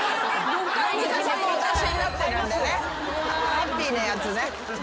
ハッピーなやつね。